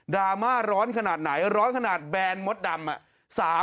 ราม่าร้อนขนาดไหนร้อนขนาดแบนมดดำ